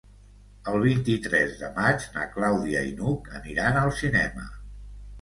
El vint-i-tres de maig na Clàudia i n'Hug aniran al cinema.